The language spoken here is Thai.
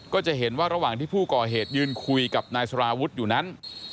ก็จะเห็นว่าระหว่างที่ผู้ก่อเหตุยืนคุยกับนายสารวุฒิอยู่นั้น